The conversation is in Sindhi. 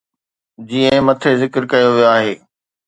جيئن مٿي ذڪر ڪيو ويو آهي.